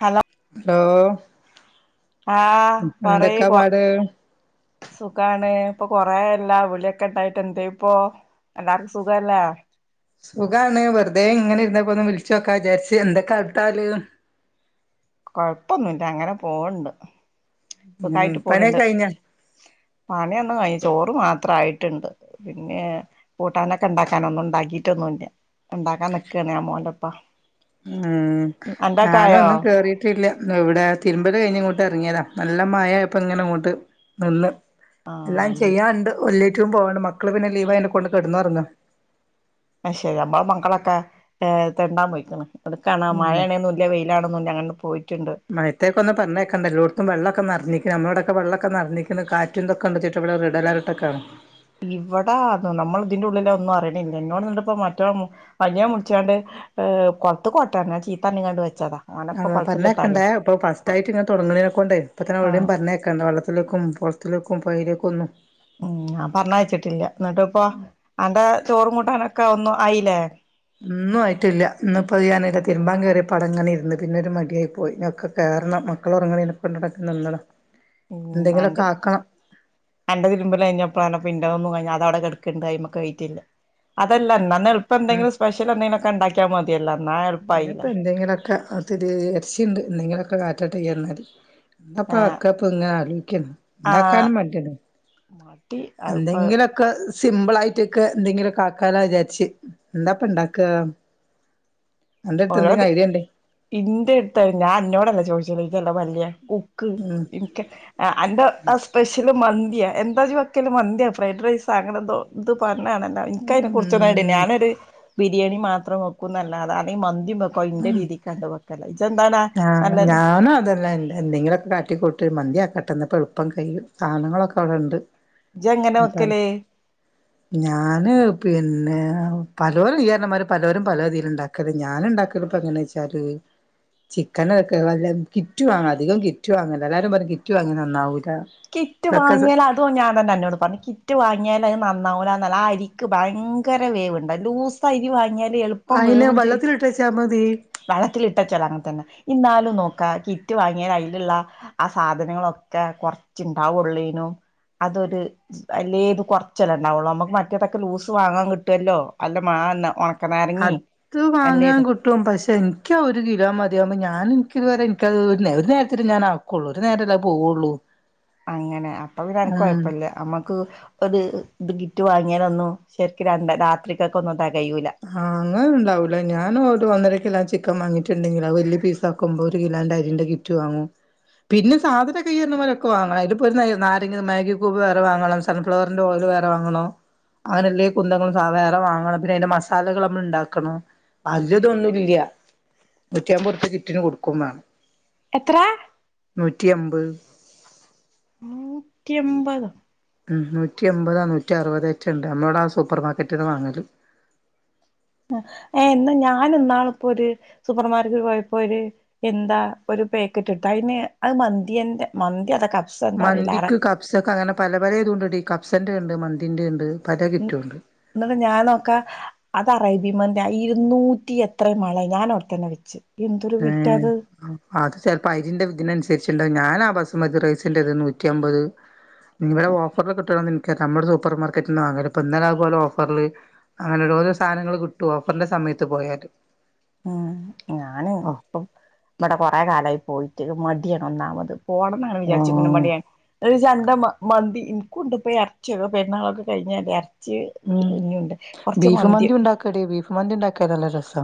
Hello ലോ ആഹ് പറയ് കൊ പാട് സുഖാണ് ഇപ്പൊ കൊറേയല്ലേ വിളിയൊക്കെ ഒണ്ടായിട്ട് എന്തേ ഇപ്പൊ എല്ലാർക്കും സുഖല്ലേ സുഖാണ് വെറ്തെ ഇങ്ങനെ ഇരന്നപ്പോ ഒന്ന് വിളിച്ച് നോക്കാ വിചാരിച്ച് എന്തൊക്കെ [unintelligible] കൊഴപ്പൊന്നുംല്ല അങ്ങനെ പോണ്ട് ഉം സുഖായിട്ട് പണിയൊക്കെ പോണണ്ട് കഴിഞ്ഞോ പണിയൊന്നും കഴി ചോറ് മാത്രയിട്ടുണ്ട് പിന്നെ കൂട്ടാനൊക്കെ ഉണ്ടാക്കാന ഒന്നും ഉണ്ടാക്കിട്ടൊന്നും ഇല്ല ഉണ്ടാക്കാൻ നിക്കാണ അമ്മോന്റെപ്പ ഏ ഞാനൊ ന്നും കേറി ഇല്ല എവടെ തിരുമ്പല ഴിഞ്ഞിട്ടില്ല. ഇങ്ങോട്ട് ഇറങ്ങിയതാ നല്ല മഴ ഇപ്പ ഇങ്ങനെ ഇങ്ങോട്ട് നിന്ന് ആഹ് എല്ലാം ഇനി ചെയ്യാണ്ട് വല്ലേറ്റും പോവാണ്ട് മക്കള് പിന്നെ ലീവ കൊണ്ട് കിടന്നുറങ്ങ ആഹ് ശരി നമ്മള മക്കളൊക്കെ തെണ്ടാൻ പോയിക്കണ് എടുക്കാണ് ഉം മഴയാണ വെയിലാണെന്നും ഞങ്ങ പോയിട്ടുണ്ട് മയത്തേക്കൊന്ന് പറഞ്ഞേക്കണ്ട എല്ലടത്തും വെള്ളക്കെ നിറഞ്ഞിക്കണ് നമ്മോടൊ ക്കെ വെള്ളൊക്കെ നിറഞ്ഞിരിക്കണു കുറ്റിന്തൊക്കെ ഉണ്ട് ചട്ട വള റെഡ് അലർട്ടൊക്കെയാണ് ഇവിടാ നമ്മൾ ഇതിന്റെ ഉള്ളില ഒന്നും അറിയണില്ല എന്നങ്ങോട് നിണ്ടിപ്പോ മറ്റോ അനിയൻ വിളിച്ചാണ്ട് ഏഹ് കൊളുത്ത് കോട്ടന്നർഞ്ഞ് ഞാൻ ചീത്തപ ർണ കണ്ടണ്ട് വെച്ചതാ ഓനപ്പ ആഹ് കൊളത്ത്ക്ക് ഇട്ടാലേ പറഞ്ഞൊക്കണ്ടേ ഇപ്പ ഫസ് ആയിട്ട് ഇങ്ങെ തുടങ്ങണീക്കെണ്ടേ ഇപ്പ തന്നെ അവവിടെയും ആഹ് പറഞ്ഞക്കെ കണ്ട വെള്ളത്തിലേക്കും കൊളത്തിലേക്കും പുയയിലേക്കും ഒന്നും ഉം ഞാൻ പറഞ്ഞയച്ചിട്ടില്ല എന്നിട്ട് ഇപ്പ അന്റെ ചോറും കൂട്ടാനൊക്കെ ഒന്നും ആയില്ലേ ഇന്നും ആയിട്ടില്ല ഇന്ന് ഇപ്പോ ഞാനായി തിരുമ്പാം കയറിയ പടംങ്ങനെ ഇന്ന് പിന്നെ ഒരു മടിയായി പോയി ഒക്കെ കേറണം മക്കൾ ഉറങ്ങണേപ്പ കൊണ്ട നടക്ക നന്നണം എന്തെങ്കിലുമൊക്കെ ആക്കണം എന്റെതിരുമ്പല്ക ഴിഞ്ഞപ്പഴ ഇന്റേതൊന്നും കഴി അത അവിടെ കെടക്കണ്ട് കൈ്മ ഒക്കെ കയിട്ടില്ല അതല്ലാ എളുപ്പം ഉം എന്തെങ്കിലും സ്പെഷ്യൽ എന്തെങ്കിലൊക്കെ ഉണ്ടാക്കിയാ മതിയല്ലോ എന്നാ ഇനിയിപ്പോ എളുപ്പയില്ലേ എന്തെങ്കിലുമൊക്കെ ത്തിരി ഇരച്ചിയുണ്ട് എന്തെങ്കിലുമൊക്കെ കാട്ടട്ടെക്ക എന്നാല് ഏഹ് എന്താപ്പക്കപ്പ ഇങ്ങനെ ആലോചിക്കണ് ആഹ് ഉണ്ടാക്കാനും മടിയാണ് മടി അതിപ്പോ എന്തെങ്കിലും ക്കെ സിമ്പിൾ ആയിട്ടൊക്കെ എന്തെങ്കിലൊ കാക്കാല വിചാരിച്ച് എന്താപ്പ ഇണ്ടാക്ക ഓരോ ഉണ്ടേ ഇന്റെ അടുത്തായി ഞാൻ അന്നോടല്ല ചോദിച്ച ഈ എന്തേ പണ്ണിയേ ക്ക് ഉം എൻ ക്ക് അന്റെ സ്പെഷ്യല് മന്തിയാ എന്താ വെക്കല് മന്തിയാ ഫ്രൈഡ് റൈസ അങ്ങനെ എന്തോ ഇത് പറഞ്ഞെ യാണ് എനിക്ക അതിനെ ഉം കുറിച്ചൊന്നായി ഞാനൊരു ബിരിയാണി മാത്രം വെക്കും എന്നല്ലാതെ അല്ലെ മന്തി വെക്ക ഉം [unintelligible] ഇജെന്താണാ ആഹ് ഞാനും അതെല്ലാം എ എന്തെങ്കിലൊ കാട്ടിക്കൂട്ട് മന്തിയാക്കട്ടെ ഇന്നാപ്പം എളുപ്പം കൈയും സാധനങ്ങളൊക്കെ അവടെണ്ട് ഇജങ്ങനെ വെക്കല് ഞാന് പിന്നെ പലോരും ഇജറിഞ്ഞ മാതിരി പലോരും പല ഇതില് ഇണ്ടാക്ക ക്കല് ഞാന് ഇണ്ടാക്കല് ഇപ്പങ്ങെച്ചാല് ചിക്കനാക്കല് അല്ല കിറ്റുവാങ്ങ അധികം കിറ്റ് വാങ്ങലാ എല്ലാരും പറിം കിറ്റ് വാങ്ങിയ നന്നാവൂല്ലാ കിറ്റ് വാങ്ങിയല് അ അതു ഞാനഞ്ഞെ അന്നോട് പറഞ്ഞെ കിറ്റ് വാങ്ങിയാല് അത് നന്നാവൂല്ല എന്നല്ല ആ അരിക്ക് ഭയങ്കര വേവ്ണ്ട് ലൂസ് ഇപ്പ അരി വങ്ങിയാല് എളു ആയില ബള്ളത്തിലിട്ടെച്ചാ മതി. വെള്ളത്തിലിട്ടച്ചാലും അങ്ങനെ തന്നെ ഇന്നാലും നോക്കാ കിറ്റ് വാങ്ങിയാല് അയില്ള്ള ആ സാധനങ്ങളൊക്കെ കൊറച്ച്ണ്ടാവൊള്ളേനു അതൊര് അല്ലേത് കൊറച്ചല്ലേ ഇണ്ടാവൊള്ളു നമുക്ക് മറ്റേതൊക്കെ ലൂസ് വാങ്ങാൻ കിട്ടല്ലോ അല്ല മാ ല്ല ഒ അത് വാങ്ങാൻ കി കിട്ടും പക്ഷേ എനിക്ക് ഒരു കിലോ ട്ടും പക്ഷെ ഇന്ക്കതൊര് കിലോ മതിയാവുമ്പം ഞാന് ഇൻക്കതുവരെ ഇൻക്കത് വരെ ഒര് നേരത്തിന് ഞാനാക്കും കൊള്ള് ഒരു നേരല്ലേ പോവൊള്ളൂ അങ്ങനെ അപ്പം പിന്നെ അനക്ക് കൊഴപ്പല്ല അമ്മക്ക് ഒര് ഇത് കിറ്റ് വാങ്ങിയാലൊന്നും ശെരിക്കും രണ്ട രാത്രിക്കൊക്കെ ഇടാൻ കയൂല്ല. ആഹ് അങ്ങനൊന്നുണ്ടാവൂല ഞാന് ഒരൊന്നര കിലോ ചിക്കൻ വാങ്ങിട്ട്ണ്ടെങ്കി അത് വലിയ പീസക്കുമ്പോ ഒര് കിലോന്റെ അരിന്റെ കി റ്റ് വാങ്ങും. പിന്നെ സാധനംക്കെ ഇയ്യ് പറഞ്ഞാതിരി ഒക്കെ വാങ്ങണം അതിലിപ്പോ ഒര് നാരങ്ങ മെഹപൂപ്പ് വേറെ വാങ്ങണം സൺഫ്ലവറിന്റെ ഓയില് വേറെ വാങ്ങണം അങ്ങനെയുള്ള കുന്തങ്ങള് വേറെ വാങ്ങണം പിന്നെ അതിന്റെ മസ്സ്‌ സാലകള് നമ്മൾ ഇണ്ടാക്കണം വല്യ ഇതൊന്നുംല്ല നൂറ്റിയമ്പറുപ്പിയ കിറ്റിന് കൊടുക്കും മാണം. എത്രാ നൂറ്റി എമ്പെ നൂറ്റി എമ്പതൊ ഹ്മ്മ് നൂറ്റി എമ്പതോ നൂറ്റി അറുബതോറ്റെ ഇണ്ട് നമ്മളവടെ ആ സൂപ്പർ മാർക്കറ്റിന്നാ വാങ്ങല് ഏഹ് ഇന്നാ ഞാന് ഇന്നാള്പ്പൊര് സൂപ്പർമാർക്കറ്റിൽ പോയപ്പോ ഒര് എന്താ ഒരു പേക്കറ്റ്ട്ട് അയിന് അത് മന്തിന്റെ മന്തി അതൊ ക മന്തിക്ക് കബ്സക്കെ അങ്ങനെ പല പല ഇതുണ്ടടി കബ്സന്റെണ്ട് മന്തിന്റെണ്ട് പല കിറ്റുണ്ട് എന്നട്ട് ഞാനൊക്കാ അതറേബ്യൻ മാന്തിയ ഇരുന്നൂറ്റി എത്രയാ മാളെ ഞാൻ അവടെ തന്നെ വെച്ച് എന്തൊരു ആഹ് വിറ്റാത് അത് ചെപ്പോ അരിന്റെ ഇതിനനുസരിച്ച്ത്ണ്ട് ഞാനാ ബസുമതി റൈസ്റ്റെ നൂറ്റമ്പത് ഇവടെ ഓഫറ്ല് കിട്ടോ ഇന്ക്കറീല്ല നമ്മടെ സൂപ്പർ മാർക്കറ്റിന്ന് വാങ്ങല് ഇന്നലെ അതുപോലെ ഓഫറില് അങ്ങനെ ഓരോരോ സാധനങ്ങള് കിട്ടോ ഓഫറിന്റെ സമയത്ത് പോയാല് ഹ്മ്മ് ഞാന് ആഹ് ഇപ്പം ഇവടെ കൊറെ കാലയി പോയിട്ട് മടിയാണ് ഒന്നാമത് പോണംന്നാ വിചാരിച്ച്ക്ക്ണെ ആഹ് മടിയാണ്. ഒരു ചന്ത മ മന്തി ഇൻകുണ്ട് ഇപ്പ എറച്ചിയൊക്കെ പെരുന്നാളൊക്കെ കഴിഞ്ഞേന്റെ ച്ച് ഇഞ്ഞുണ്ട് കൊറച്ച് മന്തി ക്കെടീ ബീഫ് മന്തി ഇണ്ടാക്കാനുള്ള നല്ല രസാ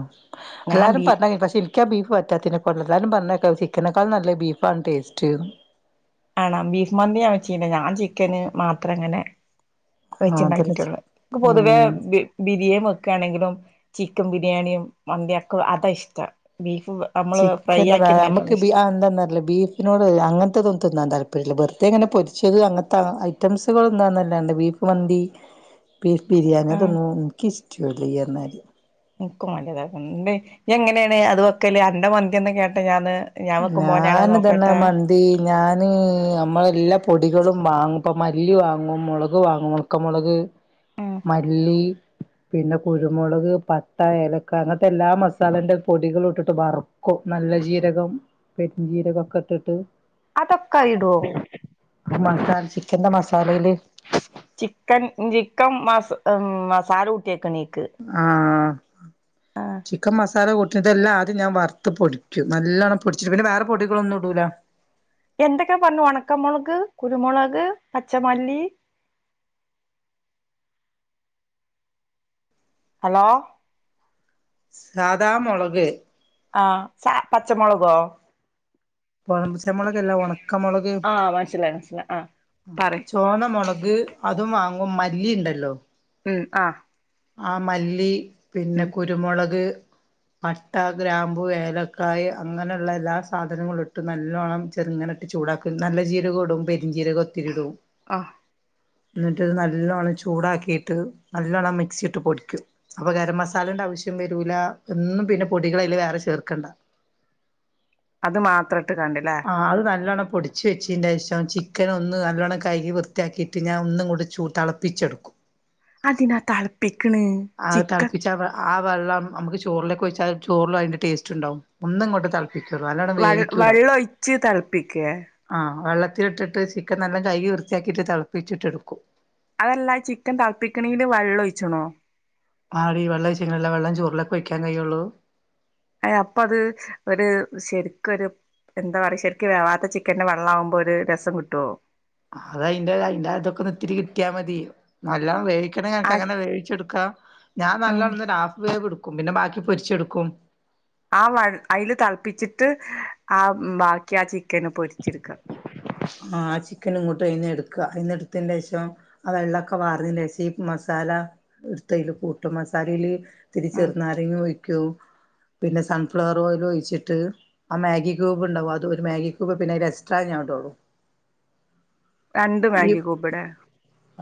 ഞാൻ എല്ലാരും ബീ പറഞ്ഞ കേൾക്കും പക്ഷെ ഇ ഇൻക്ക ബീഫ് പറ്റാത്തിനാ എല്ലാരും പറഞ്ഞേക്ക ചിക്കനെക്കാലും നല്ലെ ബീഫാണ് ടേസ്റ്റ്ന്ന്. ആണോ ബീഫ് മന്തി ഞാൻ വെച്ചില്ല ഞാൻ ചിക്കന് മാത്രം ഇങ്ങനെ ആഹ് അതന്നെ ചി വെച്ച്ണ്ടാക്കിട്ട്ള്ളെ ഇപ്പ പൊതുവേ ഉം ബീ ബിരിയാണി വെക്കുകയാണെങ്കിലും ചിക്കൻ ബിരിയാണിയും വനയൊക്കെ അതാ ഇഷ്ട ബീഫ് നമ്മള് ഫ്രൈ ചിക്കൻ എ ആക്കി നമുക്ക് ഉണ്ടാക്കുന്ന ഇഷ്ടം ആ എന്താന്നല്ല ബീഫ് പിന്നോട് അങ്ങനത്തെതൊന്ത്ുംതിന്നാൻ താല്പര്യമില്ല ബർത്തേ ഇങ്ങനെ പൊരിച്ചത് അങ്ങനത്തെ ഐറ്റംസുകൾ ഇന്നാന്നെന്നല്ലാണ്ട് വണ്ടി ബിരിയാണി ആഹ് അതൊന്നും എനിക്കിഷ്ടമല്ല എന്നല് നിക്കും വല്ലതണ്ട് എങ്ങനെയാണ് അത് വെക്കല് അണ്ട മന്തിന്ന് കേട്ടാ ഞാന് ഞൻൽക്കുംപോലെയാണോ നോക്കട്ടെ ഞാൻ നമ്മളെ എല്ലാ പൊടികളും വാങ്ങും ഇപ്പ മല്ലല് വാങ്ങും മുളക് വാങ്ങുമോ അക്കമുളക് മല്ലി പിന്നെ കുരുമുളക് പട്ട എലക്ക അങ്ങനത്തെ എല്ലാ മസാലന്റെ പൊടികളും ഇട്ടിട്ട് മാറും കൊ നല്ല ജീരകം പെരും ജീരകംഒക്കെ ഇട്ടിട്ട് അതൊക്കെ ഇടവോ? മസാല ചിക്കന്റെ മസാലയില് ചിക്കൻ ചിക്കൻ മ മസാര കുഊട്ടിയൊക്കെ നീക്ക് ആഹ് ചിക്കൻ മസാല കുട്ടിതെല്ലാം ആം ഞാൻ വറു പൊടിക്കും നല്ലവണം പൊടിച്ചിട്ട പിന്നെ വേറെ പൊടികളൊന്നും ഇടൂല എന്തൊക്കെ പറഞ്ഞു വണക്കമുളക്, കുരുമുളക്, പച്ചമല്ലി ഹലോ സാദാമുളക് ആഹ് സ പച്ചമുളകോ പഴ പച്ച മുളക് അല്ല ഉണക്കമുളക് ആഹ് മനസ്സിലായി മനസ്സിലായി ആഹ് പറി തോന്നമുളക് അതും വാങ്ങും മല്ലി ഉണ്ടല്ലോ ഉം ആ ആ മല്ലി പിന്നെ കുരു കുരുമുളക് പട്ട ഗ്രാമ്പു ഏലക്കായ അങ്ങനെയുള്ള എല്ലാ സാധനങ്ങളും ഇട്ടും ഇട്ട് നല്ലോണം ചെറുങ്ങന ഇട്ട് ചൂടാക്കും നല്ല ജീരക ഇടും പെരിഞ്ചീരക ഒത്തിരി ഇടും ആ എന്നിട്ട്ത് നല്ലോണ്ണം ചൂടാക്കിയിട്ട് നല്ലവണ്ണം മിക്സിയിട്ട് പൊടിക്കും അപ്പൊ ഗരം മസാലന്റെ ആവശ്യം വരൂല ഒന്നും പിന്നെ പൊടികളെല്ല വേറെ ചേർക്കണ്ട അത് മാത്രട്ട് കണ്ടില്ലേ ആഹ് അത് നല്ലവണം പൊടിച്ച് വച്ചതിൻ്റെ ശേഷം ചിക്കൻ ഒന്ന് നല്ലവണം കൈകി വൃത്തിയാക്കിയിട്ട് ഞാൻ ഒന്നും കൂടി ചൂ തിളപ്പിച്ചെടുക്കും അതിന നാ തിളപ്പിക്കണ ആ ചിക്കൻ തിളപ്പിച്ച ആ വെളളം നമുക്ക് ചോറിലൊക്കെ ഒഴിച്ചാ ചോറു ല അതിന്റെ ടസ്റ്റ്ണ്ടാവും ഒന്ന ഇങ്ങോട്ട് ത നല്ലോണം വേവിക്കൂല്ല ഇച്ച് തിളപ്പിക്ക ആഹ് വെള്ളത്തിലിട്ടിട്ട് ചിക്കൻ നല്ലാം കൈകി വൃത്തിയാക്കിയിട്ട് തിളപ്പിച്ചിട്ട എടുക്കും അതല്ല ചിക്കൻ തിളപ്പിക്കണെങ്കില് വെള്ളം ഒഴിച്ചോണോ ആടി വെള്ള ഒഴിശയങ്ങളല്ല വെള്ള ചോറിലൊക്കെ ഒഴിക്കാൻ കഴിയുള്ളൂ ആയി അപ്പ അത് ഒരു ശരിക്കരു എന്താ പറയാ ശരിക്കും വേവാത്ത ചിക്കന്റെ വെള്ളം ആവുമ്പോ ഒരു രസം കിട്ടുവോ അത അതിന്റെ അതിന്റെ അതൊക്കെ ഇതിരി കിട്ടിയാ മതി നല്ല ചിക്കൻ ആഹ് അതക്ക്ങ്ങനെ വേവിച്ചെടുക്കാം ഞാൻ ഉം നല്ലോണം ഒരു ഹാഫ് വേവ് എടുക്കും പിന്നെ ബാക്കി പൊരിച്ചെടുക്കും ആ വെ അതിൽ തിളപ്പിച്ചിട്ട് ആഹ് ബാക്കി ആ ചിക്കന് പൊരിച്ചെടുക്കുക ആഹ് ചിക്കൻ ഇങ്ങോട്ട് അയിന്ന് എടുക്കുക അയിന്ന എടുത്തിന്റെ ശേഷം ആഹ് വെള്ളമൊക്കെ വാറിയെന ശേഷം ഈ മസാല എടുത്തതില് കൂട്ടും മസാലയില് ഇത്തിരി ഉം ചെറുനാരങ്ങ ഒഴിക്കോ പിന്നെ സൺഫ്ലവർ ഓയിൽ ഒഴിച്ചിട്ട് ആഹ് മാഗി ക്യൂബ്ണ്ടാവും അത് ഒരു മാഗി ക്യൂബ് പിന്നെ അയിൻ്റെഎസ്ട്രാ ഞാൻ ഇടോള്ളൂ രണ്ട് മാഗി കൂബ്ടെ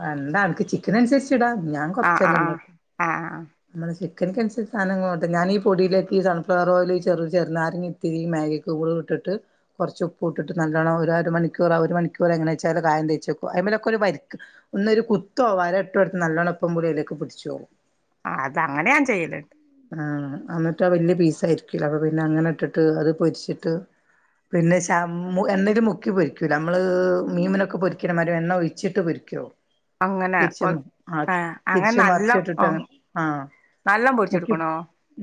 രണ്ടാൾക്ക് ചിക്കൻ അനുസരിച്ച് ഇടാ ഞാൻ ആഹ് കൊറച്ചല്ലെ ഇണ്ടാക്കു ആഹ് ആഹ് നമ്മള് ചിക്കൻക്ക് അനുസരിച്ച് സധനങ്ങളാട്ടാ ഞാൻ ഈ പൊടിയിലേക്ക് ഈ സൺഫ്ലവർ ഓയിൽ ചെറു ചെറുനാരങ്ങയും പിന്നെ ഈ മാഗി ക്യൂബുകളും ഇട്ടിട്ട് കൊറച്ച് ഉപ്പു ഇട്ടിട്ട് നല്ലോണം ഒരു അര മണിക്കൂർ ആഹ് ഒരു മണിക്കൂറ് എങ്ങനെച്ചാലും കായം തേച് ച്ചെക്കു അയിമിലേക്ക് ഒരു വരക്ക് ഒന്നൊരു കുത്തോ വര ഇട്ടോട്ത്ത് നല്ലണ്ണം ഉപ്പു പുളിയൊക്കെ അയിമിലേക്ക് പിടിച്ചോവും ആഹ് അത് അങ്ങനെ ഞാൻ ചെയ്യല്ണ്ട് ആഹ് അന്നിട്ട് വല്യ പീസായിരിക്കൂല്ലെ അപ്പ പിന്നെ അങ്ങനെ ഇട്ടിട്ട് അത് പൊരിച്ചിട്ട് പിന്നെ [unintelligible] എണ്ണേല് മുക്കി പൊരിക്കൂലാ നമ്മള് മീമിനൊക്കെ പൊരി ക്കണമാരി എണ്ണ ഒഴിച്ചിട്ട് പെരിക്കോ അങ്ങനെ ഒ തിരിച്ചും ആഹ് തിരിച്ചും മറിച്ചു ഇട്ടിട്ടങ്ങനെ ആഹ് നല്ലോം പൊരിച്ചെടുക്കണോ?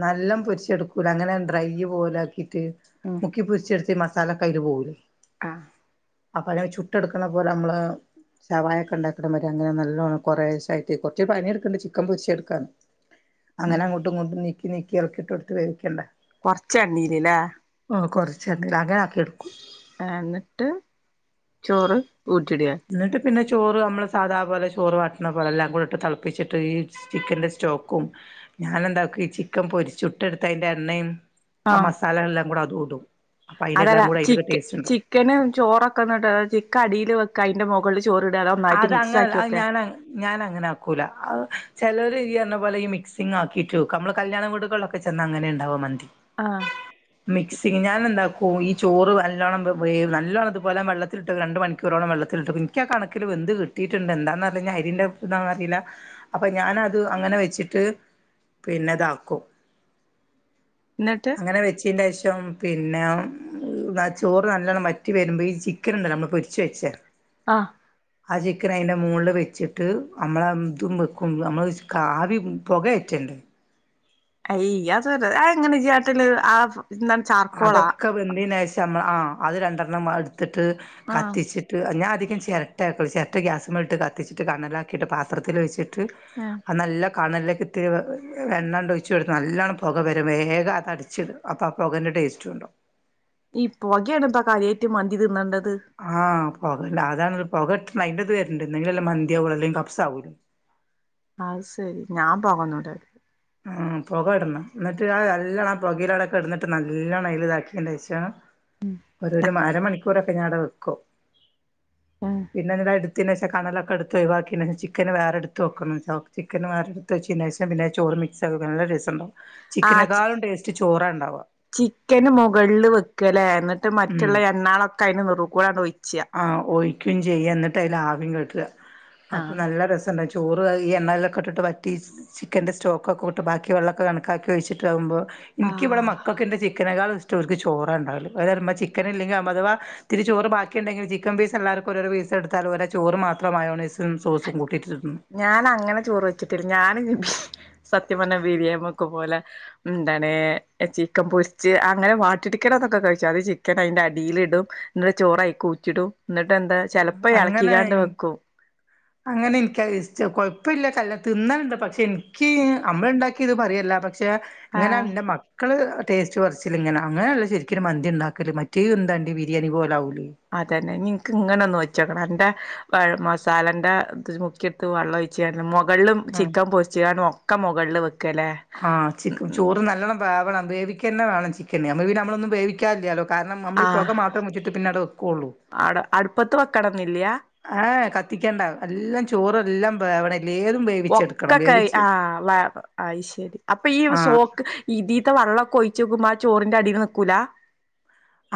നല്ലോം പൊരിച്ചെടുക്കൂലാ അങ്ങനെ ഡ്രൈ പോലെ ആക്കീട്ട് ഉം മുക്കിപ്പൊരിച്ചെടുത്തി മസാലക്കെ അയില് പോവൂല്ലേ ആഹ് അപ്പൊ അല്ലെ ചുട്ടെടുക്കണ പോലെ അമ്മള് ഷവായൊക്കെ ഇണ്ടാക്കണ മാതിരി അങ്ങനെ നല്ലോണം കൊറേശെ ആയിട്ട് കൊറച്ച് പണിയെടുക്കാണ്ട് ചിക്കൻ പൊരിച്ചെടുക്കാന് ഉം അങ്ങനെ അങ്ങോട്ടും ഇങ്ങോട്ടും നീക്കി നീക്കി എളക്കിയിട്ട് കെടുത്ത് വേവിക്കണ്ടേ കൊറച്ച് എണ്ണേല്ല്ലേ ആഹ് കൊറച്ച് എണ്ണേല് അങ്ങനെ ആക്കി എടുക്കും ആഹ് എന്നിട്ട് ചോറ് ഊറ്റിടെ എന്നിട്ട് പിന്നെ ചോറ് നമ്മള് സാധാപോലെ ചോറ് വാട്ടണ പോലെല്ലാം കൂടി ഇട്ട് തെളപ്പിച്ചിട്ട് ഈ ചിക്കന്റെ സ്റ്റോക്കും ഞാനെന്താക്കും ഈ ചിക്കൻ പൊരിച്ച് ചുട്ടെടുത്ത അതിന്റെ എണ്ണയും ആഹ് മസാലകളെല്ലാം കൂടെ അതൂടും അതെല്ലാ ചിക്ക് ചിക്ക് ചിക്കന് ചോറൊക്കെ എന്ന്ട്ട് ചിക്ക അടീല് വെക്കാ അയിന്റെ മൊകളില് ചോറ് ഇടാ അതോ ഒന്നായിട്ട് അതങ്ങനല്ല മിക്സാക്കി അത് വെക്കെ ഞാന ഞാൻ അങ്ങനെ ആക്കൂലാ ആഹ് ചെലര് ഇയ്യ് പറഞ്ഞ പോലെ ഈ മിക്സിങ് ആക്കിറ്റ് വെക്കും നമ്മള് കല്യാണം വിടൂകളിലൊക്കെ [unintelligible] അങ്ങനെ ഇണ്ടാവാ മന്തി ആഹ് [inaudible] മിക്സിങ്ങ് ഞാൻ എന്താക്കും ഈ ചോറ് നല്ലോണം വെ നല്ലോണം ഇതുപോലെ വെള്ളത്തിലിട്ട് രണ്ട് മണി ക്കൂറോളം വെള്ളത്തിലിട്ടും എനിക്കാ കണക്കില് വെന്ത് കിട്ടീട്ടുണ്ട് എന്താന്ന് അറീല്ലാ ഇനി അരീൻ്റെ ഇതാന്നോന്ന് അറീല്ലാ അപ്പൊ ഞാനത് അങ്ങനെ വെച്ചിട്ട് പിന്നെ ഇതാക്കും ഇന്നിട്ട്? അങ്ങനെ വെച്ചിൻ്റെഷം പിന്നെ ചോറ് നല്ലണം വറ്റി വരുമ്പോ ഈ ചി ക്കനുണ്ടല്ലോ നമ്മള് പൊരിച്ചു വെച്ചയാ ആഹ് ആ ചിക്കൻ അയിന്റെ മോളില് വെച്ചിട്ട് നമ്മള ഇതും വെക്കും നമ്മള് ആവി പെകേറ്റണ്ടെ അയ് [unintelligible] അത് എങ്ങനാ ഇജ്ജ് കാട്ടല് ആഹ് എന്താണ് ചാർക്കോളാ? വെന്തെന് ശേഷം നമ്മ ആഹ് അത് രണ്ടെണ്ണം എടുത്തിട്ട് ആഹ് കത്തിച്ചിട്ട് ച്ചിട്ട് ഞാ അധികം ചെരട്ടയാക്കുള്ളു ചെരട്ട ഗ്യാസ്മ്മെല് ഇട്ട് കത്തിച്ചിട്ട് കണലാക്കിയിട്ട് പാത്രത്തിൽ വെച്ചിട്ട് ആഹ് അത് നല്ല കണലേക്കെത്തിരി എണ്ണണ്ടൊയ്ച്ചൊട്ത്ത് നല്ലോണം പൊക വെരും വേഗം അതടച്ചിട അപ്പാ പൊകൻ്റെ ടേസ്റ്റ് ണ്ടാവും ഈ പൊകെണ് ന്ന കാര്യായ്റ്റ് മന്തി തിന്നണ്ടത് ആഹ് പൊകല്ല അതാണ് പൊകട്ട അയ്ന്റെത് വെര്ണ്ട് ന്നെങ്കിലല്ലേ മന്തിയാവൊള്ളു അല്ലെങ്കി കപ്സാവൂലെ അത് ശെരി ഞാൻ പൊകന്ന്ടലി ആ പൊകടണം ന്ന്ട്ട് ആ നല്ലണം ആ പൊകേലാടെ കെടന്നിട്ട് നല്ലോണം അയ്ല്താക്ക്യേന്റെഷം ഒരു ഒരു അരമണിക്കൂറൊക്കെ ഞാവടെ വെക്കും ഉം പിന്നെ ന്ന്ട്ട് അഇട് ത്തെന്റെഷം കനലൊക്കെട്ത്തൊയ് വാക്ക്യേനേഷം ചിക്കന് വേറെടുത്ത് വെക്കണം ട്ടോ ചിക്കൻ വേറെടുത്തെച്ചേന്റെഷം പിന്നെ അത് ചോറ് മിക് സാക്കണം നല്ല രസണ്ടാവും ആഹ് ചിക്കനേക്കാളും ടേസ്റ്റ് ചോറാണ്ടാ ചിക്കന് മുകളില് വെക്ക ലെ ന്ന്ട്ട് മറ്റുള്ള എണ്ണാളൊക്കെയ്ന്റെ നെറുക്കുടങ്ങട്ടൊയ് ആ ഒയ്ക്കും ചെയ്യ ന്ന്ട്ടയ്ല് ആവിം കേറ്റ അപ്പൊ ആഹ് നല്ല രസണ്ടാവും ചി ചോറ് അത് ഈ എണ്ണേലൊക്കെട്ടിട്ട് വറ്റി ചിക്കൻ്റെ സ്റ്റോക്കെ വിട്ട് ബാക്കി വെള്ളൊക്കെ കണക്കാക്കി ഒയ്ച്ച്ട്ടാകുമ്പൊ ഇൻക്കിവടെ ആഹ് മക്ക ക്കൊക്കെ ഇന്റെ ചിക്കനേക്കാളും ഇഷ്ടം ഓൽക്ക് ചോറാണ്ടാവല് ഓല് പറയും മ്മ ചിക്കനില്ലെങ്കിലും അഥവാ ത്തിരി ചോറ് ബാക്കി ഒക്കെണ്ടെങ്കി ചിക്കൻ പീസ് എല്ലാർക്കും ഓരോരോ പീസ്ട്ത്താല് ഓരാ ചോറും മാത്രമയണൊയ്സും സോസും കൂട്ടി തിന്നും ഞാൻ അങ്ങനെ ചോറ് വെച്ച്ട്ടില്ല ഞാൻ സത്യ പർഞ്ഞ ബിരിയാ വെക്കും പോലെ എന്താണ് ചിക്കൻ പൊരിച്ച് അങ്ങനെ വാട്ടിട്ക്കലൊക്കെ കയ്ച്ചു അത് ചിക്കനയ്ന്റെ അടിലിടും ന്ന്ട്ട് ചോറയ്ൽക്കൂറ്റിടും ന്ന്ട്ട് എന്താ ചെൽപ്പോ എളക്കിക്കാണ്ട് അങ്ങനെ വെക്കും അങ്ങനെ എനിക്കത്ഷ് ക്ഷേ കൊഴപ്പല്ല കല്ലോം തിന്നൽണ്ട് പക്ഷേ ഇൻക്ക് നമ്മൾണ്ടാക്ക്യേത് പറയല്ല പക്ഷേ ഇങ്ങനെ ആഹ് ന്റെ മക് ക്കള് ടേസ്റ്റ് പർച്ചില് ഇങ്ങനെ അങ്ങനെ ല്ലെ ശെരിക്കിനും മന്തി ണ്ടാക്കല് മറ്റേ എന്താണ്ടി ബിരിയാണി പോലാവൂലെ അതെന്നെ ഞ്ഞി ഇൻക്ക്ങ്ങനൊന്ന് വെച്ചോക്കണം അന്റെ മസാലന്റെത് മുക്കിട്ത്ത് വള്ളൊയ് ച്ചാണ്ട് മൊകൾലും ആഹ് ചിക്കൻ പൊരിച്ചാണ്ട് ഒക്കെ മൊകൾല് വെക്കാല്ലേ ആ ചിക് ചോറ് നല്ലോണം വേവണം വേവിക്കെന്നെ വേണം ചിക്കന് നമ്മൾ പിന്നെ നമ്മളൊന്നും വേവിക്കാല്ലാലോ കാരണം നമ്മൾ ഈ പൊക മാത്രം വെച്ചിട്ട് പിന്നടെ വെക്കൊള്ളു ആടെ അട്പ്പത്ത് വെക്കണംന്നില്ല ഏഹ് കത്തിക്കണ്ട എല്ലം ചോറെല്ലം വെവണെ [unintelligible] ഒക്കെ കൈ ആ വ അത് ശെരി അപ്പൊ ഈ ആഹ് സോക്ക് ഇതീത്തെ വള്ളൊക്കൊയ്ച്ചോക്ക്മ്പൊ ആ ചോറിന്റടില് നിക്കൂല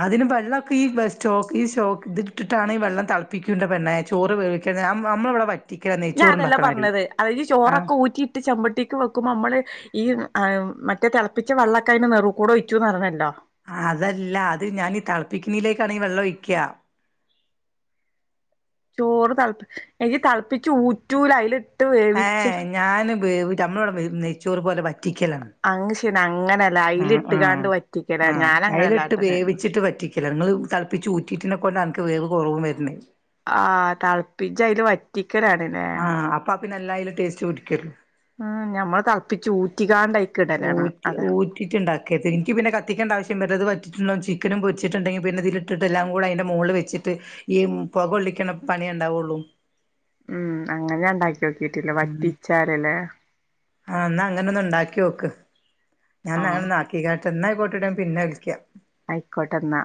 അതിന് വെള്ളൊക്കെ ഈ വെ സ്റ്റോക്ക് ഈ സ്‌റ്റോക്ക് ത്ട്ടിട്ടാണ് ഈ വെള്ളം തൾപ്പിക്ക്‌ണ്ട് പെണ്ണേ ചോറ് വേവിക്കുന്നത് നമ്മള നമ്മളവടെ വറ്റ് ഞാൻ അതല്ല പർഞ്ഞത് അയ്ല് ആ ചോറൊക്കെ ഊറ്റിട്ട് ചെമ്പട്ടിക്ക് വെക്കുമ്പോ ഞമ്മള് ഈ ആ മറ്റേ തെൾപ്പിച്ച വെള്ളൊക്കെ അയ്ന്റെ നെറു കൂടെ ഒയ്ച്ചൂന്ന് പർഞ്ഞല്ലോ ആ അതല്ല അത് ഞാനീ തൾപ്പിക്കേന്നെക്കാണീ വെള്ളൊയ്ക്ക ചോറ് തൾപ് എനിക്ക് തൾപ്പിച്ചൂറ്റൂല അയ്ല് ഏഹ് ഞാന് ബെവ്റ്റ നമ്മളോടെ നെയ്ച്ചേറ് പോലെ വറ്റിക്കലാണ് അങ് ശെന അങ്ങനെല്ലെ ആ ആ അയിലിട്ട്ങ്ങാണ്ട് വറ്റിക്കലാ ഞാനങ്ങനെല്ലാട്ടല് ഇതങ്ങള് തളപ്പിച്ചൂറ്റിട്ടിനെകൊണ്ടൻക്ക് വേവ് കൊർവും വെര്ണത് ആ തൾപ്പിച്ചയ്ല് വറ്റിക്കലാണ് ല്ലേ പ്പ പിന്നെല്ലാ അയ്ല് ടേസ്റ്റ് പിടിക്കർ ഉം ഞമ്മള് തൾപ്പിച്ചൂറ്റിക്കാണ്ടയ് ഊറ്റി ഊറ്റ് റ്റിട്ട് ഇണ്ടാക്കെര്ത് ഇൻക്ക് പിന്നെ കത്തിക്കേണ്ട ആവ്ശ്യം ഇന്നെട്ട് അത് വറ്റീട്ട് ഇണ്ടാവും ചിക്കെനും പൊര്ച്ച്ട്ട് ഇണ്ടെങ്കി പിന്നെ ഇതീൽ ഇ ഇട്ട്ട്ട് ഇല്ലാ ഓൾ അയിന്റെ മേൾ വെച്ച്ട്ട് ഈ പൊക കൊള്ളിക്ക്ണ പണിയെ ഇണ്ടാകൊള്ളു. ഉം അങ്ങനെ ഞാ ഇണ്ടാക്കിയോക്കീട്ട് ഇല്ല ഉം വറ്റിച്ചാരെലെ. ആഹ് ഇന്നാ അങ്ങനെ ഒന്ന് ഇണ്ടാക്കിയോക്ക് ഞാന്ന് അങ്ങനെ ആഹ് നാട്ട് [unintelligible] ഇന്നാ അയിക്കോട്ടെടി ഞാം പിന്നെ വിളിക്കാം. അയിക്കോട്ടെ ഇന്നാ.